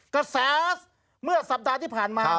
กระแสเมื่อสัปดาห์ที่ผ่านมา